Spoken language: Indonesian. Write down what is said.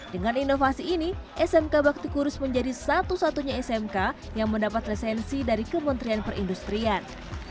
dengan inovasi ini smk bakti kurus menjadi satu satunya smk yang mendapat resensi dari kementerian perindustrian